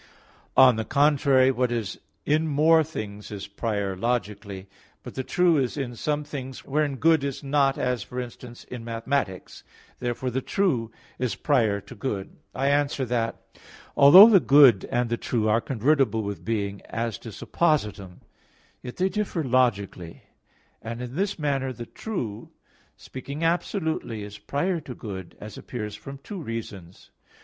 On the contrary, What is in more things is prior logically. But the true is in some things wherein good is not, as, for instance, in mathematics. Therefore the true is prior to good. I answer that, Although the good and the true are convertible with being, as to suppositum, yet they differ logically. And in this manner the true, speaking absolutely, is prior to good, as appears from two reasons.